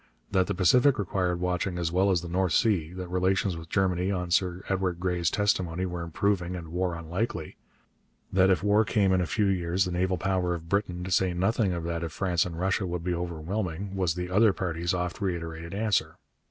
That the Pacific required watching as well as the North Sea; that relations with Germany, on Sir Edward Grey's testimony, were improving and war unlikely; that if war came in a few years the naval power of Britain, to say nothing of that of France and Russia, would be overwhelming, was the other party's oft reiterated answer.